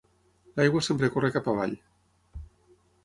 L'aigua sempre corre cap avall.